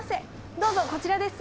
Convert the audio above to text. どうぞこちらです。